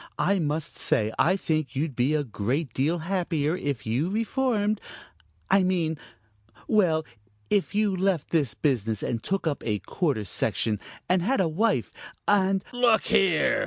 I must say I think you'd be a great deal happier if you reformed I mean well, if you left this business, and took up a quarter section, and had a wife and " "Look here!"